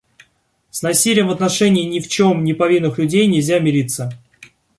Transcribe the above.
С насилием в отношении ни в чем не повинных людей нельзя мириться.